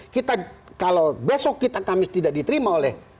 kita kalau besok kita kamis tidak diterima oleh